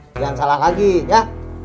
jangan salah lagi ya